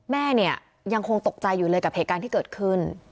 แม่เนี่ยยังคงตกใจอยู่เลยกับเหตุการณ์ที่เกิดขึ้น